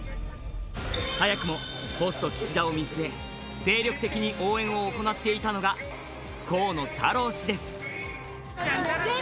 早くもポスト岸田を見据え、精力的に応援を行っていたのが、河野太郎氏です。